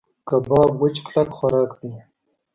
کباب وچ کلک خوراک دی.